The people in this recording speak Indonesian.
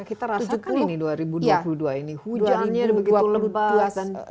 kita rasakan ini dua ribu dua puluh dua ini hujannya dua puluh empat dan dua puluh sampai dua ribu dua puluh dua